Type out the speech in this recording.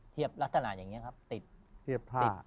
เทียบลักษณะอย่างเงี้ยครับ